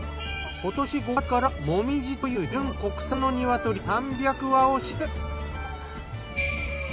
今年５月からもみじという純国産のニワトリ３００羽を飼育。